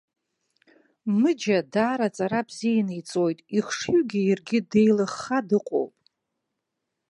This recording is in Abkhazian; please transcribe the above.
Мыџьа даара аҵара бзиан иҵоит, ихшыҩгьы иаргьы деилыхха дыҟоуп.